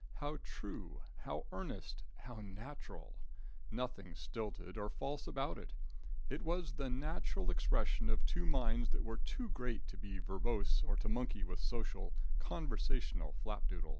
How true, how earnest, how natural! Nothing stilted or false about it. It was the natural expression of two minds that were too great to be verbose or to monkey with social, conversational flapdoodle.